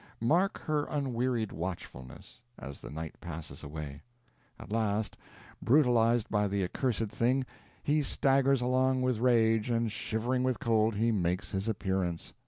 Mark her unwearied watchfulness, as the night passes away. At last, brutalized by the accursed thing, he staggers along with rage, and, shivering with cold, he makes his appearance.